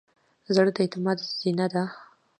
زړه د اعتماد زینه ده.